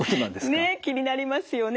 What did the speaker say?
気になりますよね。